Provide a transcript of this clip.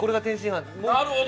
なるほど！